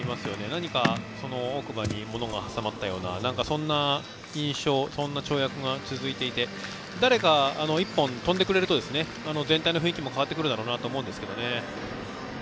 何か、奥歯にものが挟まったようなそんな印象でそんな跳躍が続いていて誰か、１本跳んでくれると全体の雰囲気も変わってくるだろうなと思うんですけどね。